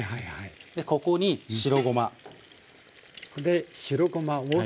でここに白ごま。